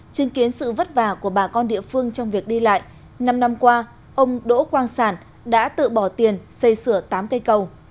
chứng kiến sự vất vả của bà con địa phương trong việc đi lại năm năm qua ông đỗ quang sản đã tự bỏ tiền xây sửa tám cây cầu